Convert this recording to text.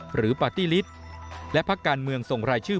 ปาร์ตี้ลิตและพักการเมืองส่งรายชื่อ